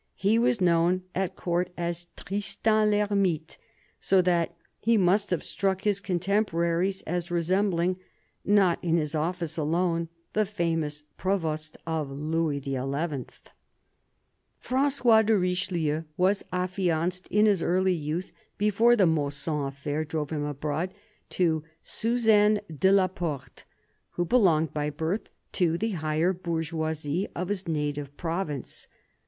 He was known at Court as " Tristan I'Hermite " so that he must have struck his contemporaries as re sembling, not in his office alone, the famous Provost of Louis XL EARLY YEARS 7 Francois de Richelieu was affianced in early youth, before the Mausson affair drove him abroad, to Suzanne de la Porte, who belonged by birth to the higher bourgeoisie of his native province.